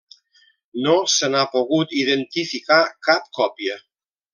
No se n'ha pogut identificar cap còpia.